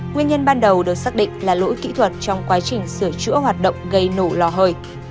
nguyên nhân ban đầu được xác định là lỗi kỹ thuật trong quá trình sửa chữa hoạt động gây nổ lò hơi